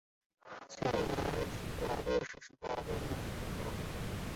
翠峰岩的历史年代为元代。